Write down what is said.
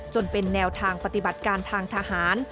เป็นแนวทางปฏิบัติการทางทหาร